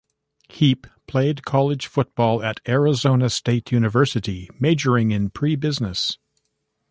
Heap played college football at Arizona State University, majoring in pre-business.